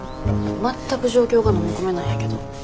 全く状況がのみ込めないんやけど。